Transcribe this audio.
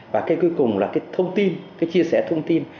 và cái cuối cùng là cái thông tin cái chia sẻ thông tin